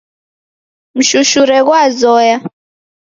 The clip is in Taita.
Mshushure ghwazoya